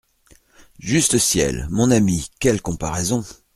Juste ciel ! mon ami, quelle comparaison !